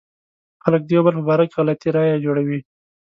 خلک د يو بل په باره کې غلطې رايې جوړوي.